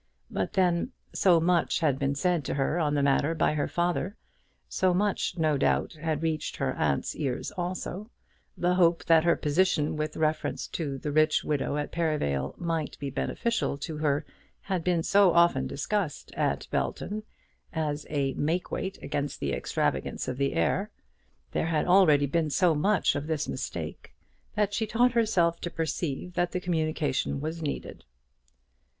But, then, so much had been said to her on the matter by her father, so much, no doubt, had reached her aunt's ears also, the hope that her position with reference to the rich widow at Perivale might be beneficial to her had been so often discussed at Belton as a make weight against the extravagance of the heir, there had already been so much of this mistake, that she taught herself to perceive that the communication was needed.